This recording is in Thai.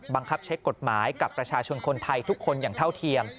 บังคับใช้กฎหมายกับประชาชนคนไทยทุกคนอย่างเท่าเทียม